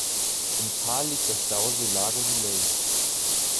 Im Tal liegt der Stausee Lago di Lei.